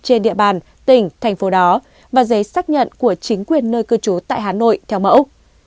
trên địa bàn tỉnh thành phố đó và giấy xác nhận của chính quyền nơi cư trú tại hà nội theo mẫu